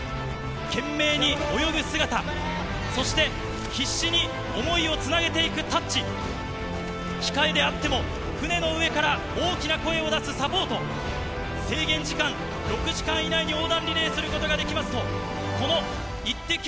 懸命に泳ぐ姿、そして必死に思いをつなげていくタッチ、控えであっても船の上から大きな声を出すサポート、制限時間６時間以内に横断リレーすることができますと、このイッテＱ！